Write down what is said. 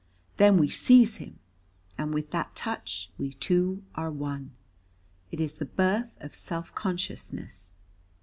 Then we seize him, and with that touch we two are one. It is the birth of self consciousness.